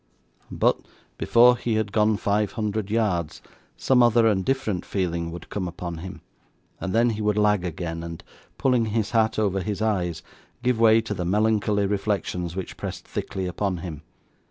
But, before he had gone five hundred yards, some other and different feeling would come upon him, and then he would lag again, and pulling his hat over his eyes, give way to the melancholy reflections which pressed thickly upon him.